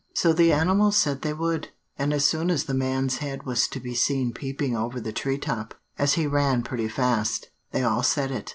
So the animals said they would; and as soon as the man's head was to be seen peeping over the tree top, as he ran pretty fast, they all said it.